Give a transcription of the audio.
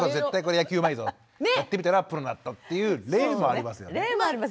やってみたらプロになったっていう例もありますよね。